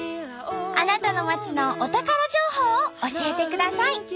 あなたの町のお宝情報を教えてください。